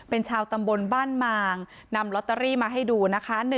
เป็นชาวตำบลบ้านมางนำลอตเตอรี่มาให้ดูนะคะ